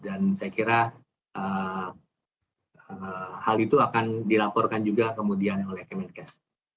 dan saya kira hal itu akan dilaporkan juga kemudian oleh kementerian kes